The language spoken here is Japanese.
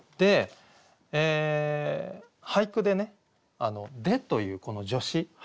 俳句でね「で」というこの助詞。